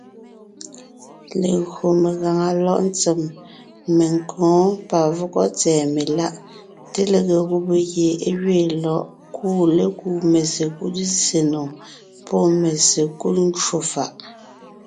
Legÿo megàŋa lɔ̌ʼ ntsèm, menkǒ, pavɔgɔ tsɛ̀ɛ meláʼ, té lege gubé gie é gẅeen lɔ̌ʼ kuʼu lékúu mesekúd zsè nò pɔ́ mesekúd ncwò fàʼ.